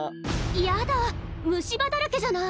やだ虫歯だらけじゃない。